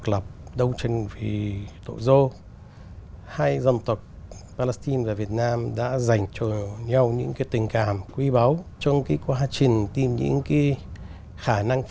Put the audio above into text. lingu lạc việt nam là nóvêm gò đàn